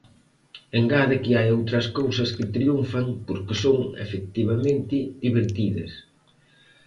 Engade que hai outras cousas que triunfan porque son, efectivamente, divertidas.